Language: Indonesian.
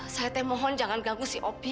saya temohon jangan ganggu si opi